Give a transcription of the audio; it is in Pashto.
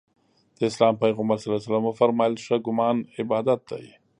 د اسلام پیغمبر ص وفرمایل ښه ګمان عبادت دی.